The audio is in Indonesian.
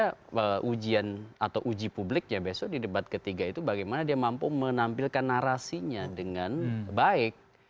jadi itu adalah ujian atau uji publiknya besok di debat ketiga itu bagaimana dia mampu menampilkan narasinya dengan baik